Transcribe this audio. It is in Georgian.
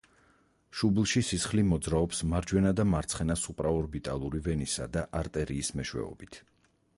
შუბლში სისხლი მოძრაობს მარჯვენა და მარცხენა სუპრაორბიტალური ვენისა და არტერიის მეშვეობით.